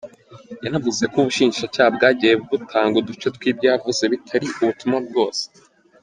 Yanavuze ko Ubushinjacyaha bwagiye batanga uduce tw’ibyo yavuze, bitari ubutumwa bwose.